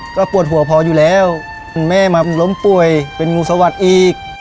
ก็ปวดหัวพออยู่แล้วแม่มาล้มป่วยเป็นงูสวัสดิ์อีก